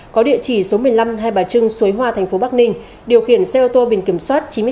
có địa chỉ số một mươi năm hai bà trưng xuế hoa tp bắc ninh điều khiển xe ô tô biển kiểm soát chín mươi chín a ba mươi nghìn sáu trăm ba mươi